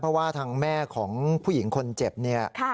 เพราะว่าทางแม่ของผู้หญิงคนเจ็บเนี่ย